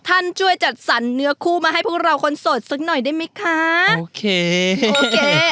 ท่านช่วยจัดสรรเนื้อคู่มาให้พวกเราคนสดสักหน่อยได้ไหมคะโอเคโอเค